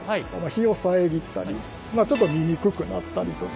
日を遮ったりちょっと見にくくなったりとか。